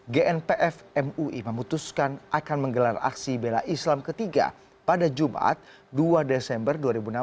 gnpf mui memutuskan akan menggelar aksi bela islam ketiga pada jumat dua desember dua ribu enam belas